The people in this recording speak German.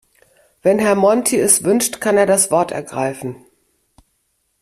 Wenn Herr Monti es wünscht, kann er das Wort ergreifen.